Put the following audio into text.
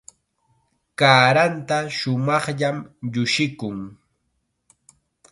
Kaaranta shumaqllam llushikun.